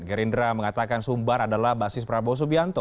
gerindra mengatakan sumbar adalah basis prabowo subianto